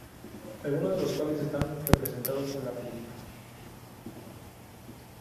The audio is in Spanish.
Algunos de los cuales están representados en la película.